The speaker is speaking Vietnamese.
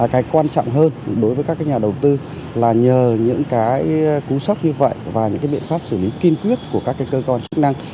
cái quan trọng hơn đối với các nhà đầu tư là nhờ những cái cú sốc như vậy và những biện pháp xử lý kiên quyết của các cơ quan chức năng